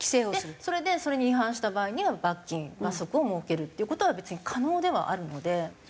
それでそれに違反した場合には罰金罰則を設けるっていう事は別に可能ではあるので。